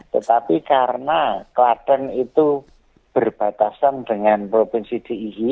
tetapi karena klaten itu berbatasan dengan provinsi diy